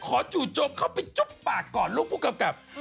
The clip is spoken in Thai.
จู่โจมเข้าไปจุ๊บปากก่อนลูกผู้กำกับ